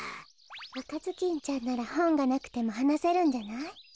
「あかずきんちゃん」ならほんがなくてもはなせるんじゃない？